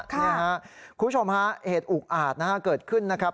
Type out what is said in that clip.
คุณผู้ชมฮะเหตุอุกอาจนะฮะเกิดขึ้นนะครับ